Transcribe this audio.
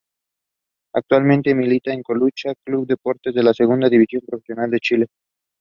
Her research considers biomimicry and the creation of functional structures inspired by nature.